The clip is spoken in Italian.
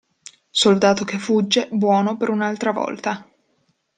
Soldato che fugge, buono per un'altra volta.